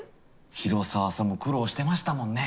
広沢さんも苦労してましたもんね。